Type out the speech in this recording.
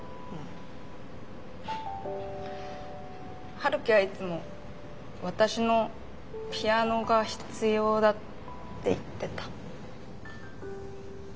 陽樹はいつも私のピアノが必要だって言ってた。